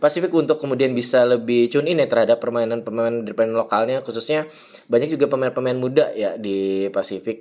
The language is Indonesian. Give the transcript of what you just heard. pacific untuk kemudian bisa lebih tune in ya terhadap permainan permainan di permainan lokalnya khususnya banyak juga pemain pemain muda ya di pacific